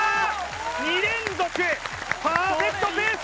２連続パーフェクトペース